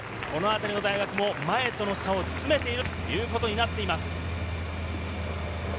このあたりの大学も前との差を詰めているということになっています。